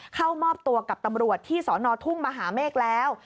เข้ามอบตัวกับตำรวจที่สอนอทุ่งมหาเมฆแล้ว